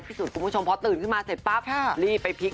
สุดคุณผู้ชมพอตื่นขึ้นมาเสร็จปั๊บรีบไปพลิก